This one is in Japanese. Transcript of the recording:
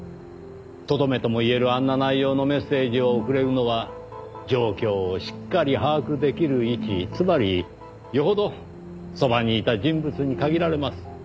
とどめともいえるあんな内容のメッセージを送れるのは状況をしっかり把握できる位置つまりよほどそばにいた人物に限られます。